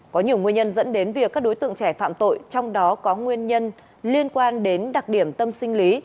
có nhiều nguyên nhân dẫn đến việc các đối tượng trẻ phạm tội trong đó có nguyên nhân liên quan đến đặc điểm tâm sinh lý